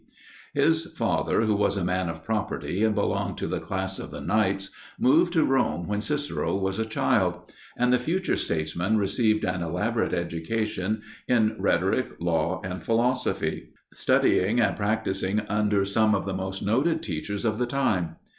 His father, who was a man of property and belonged to the class of the "Knights," moved to Rome when Cicero was a child; and the future statesman received an elaborate education in rhetoric, law, and philosophy, studying and practising under some of the most noted teachers of the time.